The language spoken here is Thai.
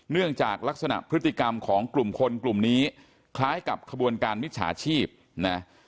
เนื่องจากลักษณะพฤติกรรมของกลุ่มคนกลุ่มนี้คล้ายกับขบวนการมิจฉาชีพนะ